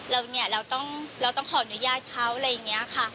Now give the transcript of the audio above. เราเนี้ยเราต้องเราต้องขออนุญาตเขาอะไรอย่างเงี้ยค่ะ